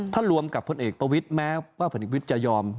ถ้ารวมกับพ่อเหตุประวิทย์แม้ว่าพ่อเหตุประวิทย์จะยอม